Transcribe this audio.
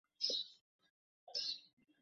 মহকুমার সদর হাওড়া।